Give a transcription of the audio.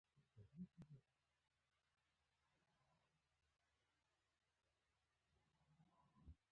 سېرېنا له خپلې ډلې سره په ځنګله کې پټه وه.